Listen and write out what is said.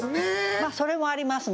まあそれもありますね。